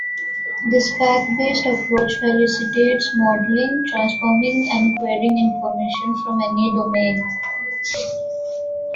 This "fact-based" approach facilitates modeling, transforming, and querying information from any domain.